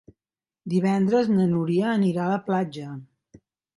Divendres na Núria anirà a la platja.